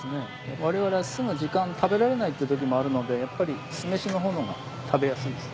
我々はすぐ時間食べられないってときもあるのでやっぱり酢飯のほうが食べやすいです。